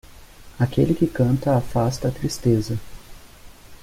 Aquele que canta afasta a tristeza.